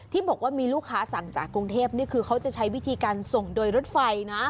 ที่บอกว่ามีลูกค้าสั่งจากกรุงเทพนี่คือเขาจะใช้วิธีการส่งโดยรถไฟนะ